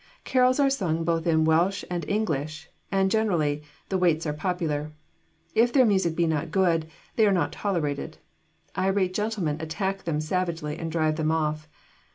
Carols are sung in both Welsh and English; and, generally, the waits are popular. If their music be not good, they are not tolerated; irate gentlemen attack them savagely and drive them off.